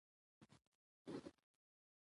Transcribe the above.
ښوونځی د ماشومانو لپاره د باور ځای دی